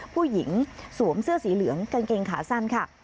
สวมเสื้อสีเหลืองกางเกงขาสั้นค่ะ